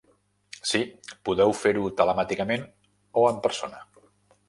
Sí, podeu fer-ho telemàticament o en persona.